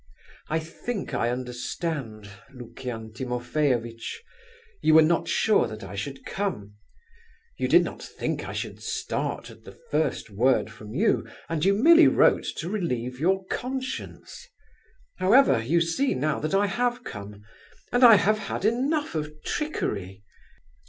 "I think I understand, Lukian Timofeyovitch: you were not sure that I should come. You did not think I should start at the first word from you, and you merely wrote to relieve your conscience. However, you see now that I have come, and I have had enough of trickery.